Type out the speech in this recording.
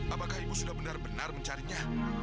apakah ibu sudah benar benar mencarinya